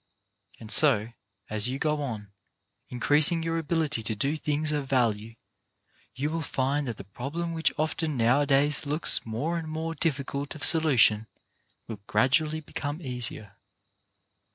And so, as you go on, increasing your ability to do things of value, you will find that the problem which often now a days looks more and more difficult of solution will gradually become easier.